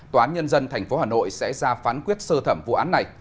tòa án nhân dân tp hà nội sẽ ra phán quyết sơ thẩm vụ án này